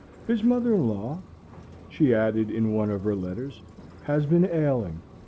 His mother in law," she added in one of her letters, "has been ailing.